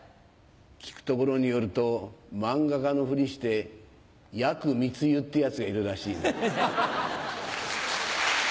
聞くところによると漫画家のフリしてヤクミツユってヤツがいるらしいぜ。